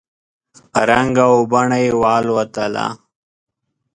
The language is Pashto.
رنګ او بڼه یې والوتله !